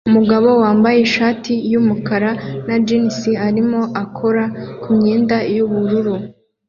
Umugabo wambaye ishati yumukara na jans arimo akora kumyenda yubururu